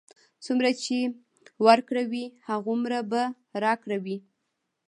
څومره چې ورکړه وي، هماغومره به راکړه وي.